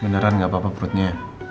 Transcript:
beneran gak apa apa perutnya